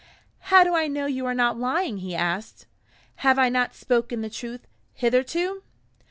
"How do I know you are not lying?" he asked. "Have I not spoken the truth, hitherto?"